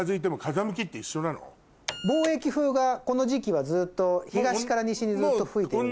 貿易風がこの時期はずっと東から西にずっと吹いているので。